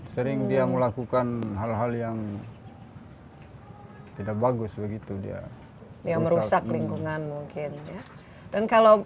sering dia melakukan hal hal yang tidak bagus begitu dia yang merusak lingkungan mungkin dan kalau